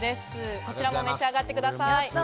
こちらも召し上がってください。